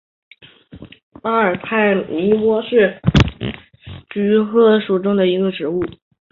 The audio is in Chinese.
阿尔泰莴苣是菊科莴苣属的植物。